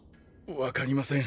分かりません。